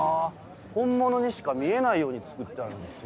本物にしか見えないように造ってあるんですね。